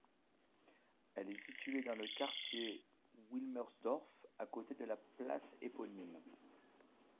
Elle est située dans le quartier Wilmersdorf à côté de la place éponyme.